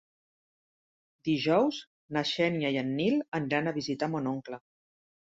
Dijous na Xènia i en Nil aniran a visitar mon oncle.